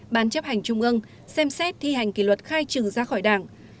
ban chấp hành trung ương xem xét thi hành kỷ luật khai trừ ra khỏi đảng